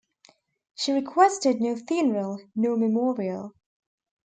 She requested no funeral nor memorial.